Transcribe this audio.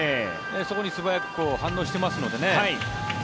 そこに素早く反応していますのでね。